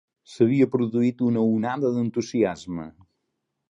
S'havia produït una onada d'entusiasme